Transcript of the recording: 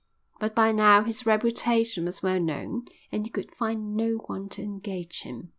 But by now his reputation was well known and he could find no one to engage him.